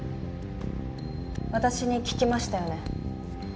私に聞きましたよね？